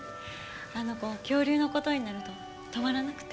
あの子恐竜のことになると止まらなくて。